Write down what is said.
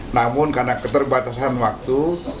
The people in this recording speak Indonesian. namun karena keterbatasan waktu